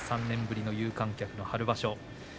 ３年ぶりの有観客の春場所。